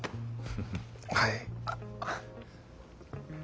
はい。